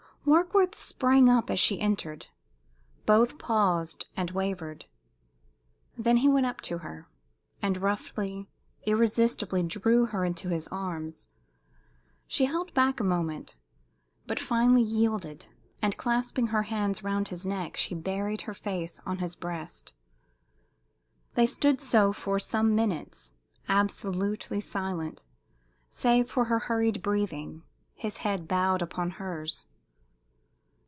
Warkworth sprang up as she entered. Both paused and wavered. Then he went up to her, and roughly, irresistibly, drew her into his arms. She held back a moment, but finally yielded, and clasping her hands round his neck she buried her face on his breast. They stood so for some minutes, absolutely silent, save for her hurried breathing, his head bowed upon hers.